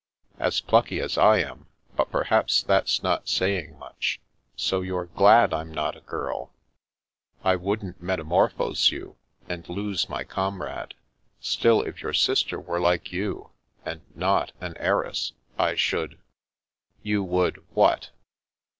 "" As plucky as I am; but perhaps that's not say ing much. So you're glad I'm not a girl ?" "I wouldn't metamorphose you, and lose my comrade. Still, if your sister were like you, and not an heiress, I should "You would— what?"